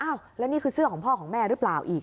แล้วนี่คือเสื้อของพ่อของแม่หรือเปล่าอีก